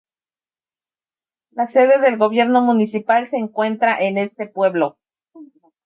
La sede del gobierno municipal se encuentra en este pueblo.